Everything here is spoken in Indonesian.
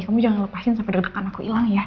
kamu jangan lepasin sampai deg degan aku hilang ya